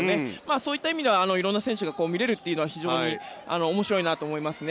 そういった意味では色んな選手が見れるというのは非常に面白いなと思いますね。